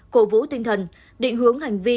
cổ vũ tinh thần định hướng hành vi